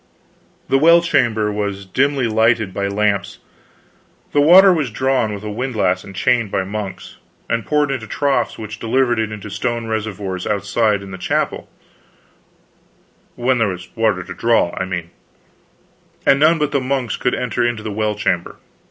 The well chamber was dimly lighted by lamps; the water was drawn with a windlass and chain by monks, and poured into troughs which delivered it into stone reservoirs outside in the chapel when there was water to draw, I mean and none but monks could enter the well chamber.